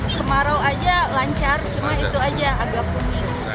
kemarau aja lancar cuma itu aja agak kuning